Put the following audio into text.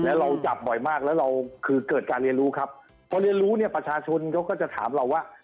แล้วเราจับบ่อยมากแล้วเราคือเกิดการเรียนรู้ครับพอเรียนรู้เนี่ยประชาชนเขาก็จะถามเราว่า